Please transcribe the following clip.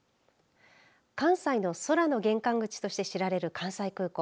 関西の空の玄関口として知られる関西空港。